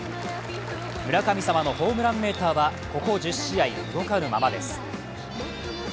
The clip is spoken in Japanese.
村神様のホームランメーターはここ１０試合動かぬままです。